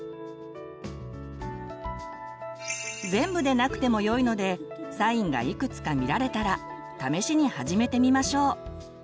全部でなくてもよいのでサインがいくつか見られたら試しに始めてみましょう。